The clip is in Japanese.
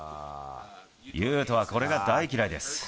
雄斗はこれが大嫌いです。